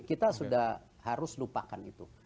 kita sudah harus lupakan itu